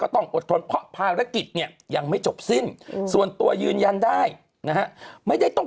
แต่มือไม้ไม่อ่อน